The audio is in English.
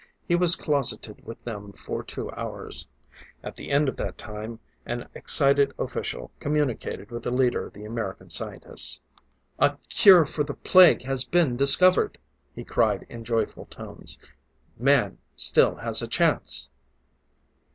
He was closeted with them for two hours. At the end of that time an excited official communicated with the leader of the American scientists. "A cure for the Plague has been discovered!" he cried in joyful tones. "Man still has a chance!"